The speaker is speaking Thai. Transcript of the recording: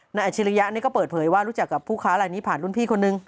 อาชิริยะนี่ก็เปิดเผยว่ารู้จักกับผู้ค้าลายนี้ผ่านรุ่นพี่คนนึง